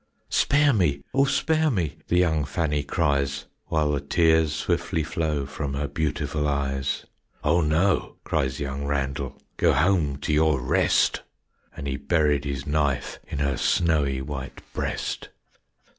"Spare me, Oh, spare me!" The young Fannie cries, While the tears swiftly flow From her beautiful eyes; "Oh, no!" cries young Randell, "Go home to your rest," And he buried his knife In her snowy white breast.